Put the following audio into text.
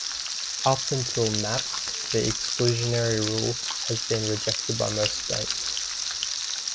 Up until "Mapp", the exclusionary rule had been rejected by most states.